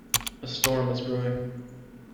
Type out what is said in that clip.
A storm is brewing.